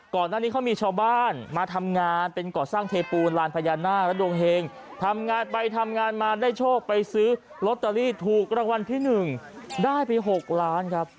ก่อนหน้านี้เขามีชาวบ้านมาทำงานเป็นก่อสร้างเทปูนลานพญานาคและดวงเฮงทำงานไปทำงานมาได้โชคไปซื้อลอตเตอรี่ถูกรางวัลที่๑ได้ไป๖ล้านครับ